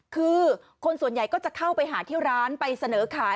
คือคนส่วนใหญ่ก็จะเข้าไปหาที่ร้านไปเสนอขาย